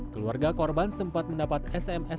keluarga korban sempat mendapat sms